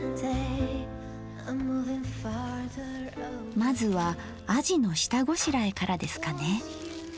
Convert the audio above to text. まずはあじの下ごしらえからですかね。